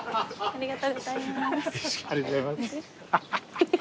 ありがとうございます。